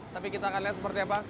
tapi kita akan lihat seperti apa